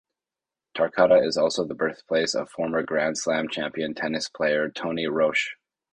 Tarcutta is also the birthplace of former Grand Slam champion tennis player Tony Roche.